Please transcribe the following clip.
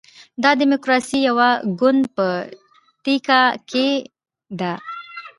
دا ډیموکراسي د یوه ګوند په ټیکه کې ده.